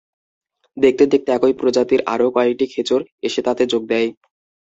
দেখতে দেখতে একই প্রজাতির আরও কয়েকটি খেচর এসে তাতে যোগ দেয়।